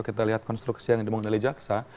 kita lihat konstruksi yang dimengendali jaksa